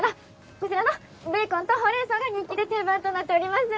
こちらのベーコンとほうれん草が人気で定番となっております